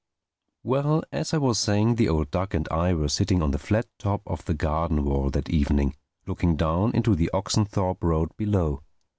Well, as I was saying, the old duck and I were sitting on the flat top of the garden wall that evening, looking down into the Oxenthorpe Road below.